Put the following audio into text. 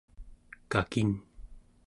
kakin